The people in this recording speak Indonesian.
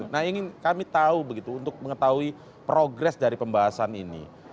nah ingin kami tahu begitu untuk mengetahui progres dari pembahasan ini